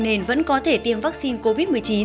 nên vẫn có thể tiêm vaccine covid một mươi chín